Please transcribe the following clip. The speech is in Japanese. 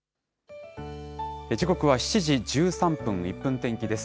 時刻は７時１３分、１分天気です。